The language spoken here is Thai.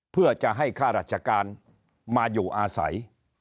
เพื่อจะให้ข้าราชการมาอยู่อาศัย